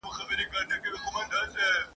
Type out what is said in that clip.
د جاپان بری هم یاد سوی دئ.